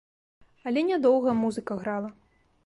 Але не доўга музыка грала.